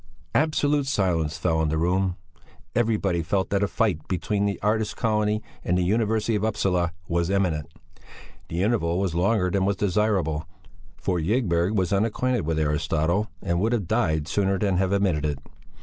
Absolute silence fell on the room; everybody felt that a fight between the artist's colony and the University of Upsala was imminent. The interval was longer than was desirable, for Ygberg was unacquainted with Aristotle and would have died sooner than have admitted it.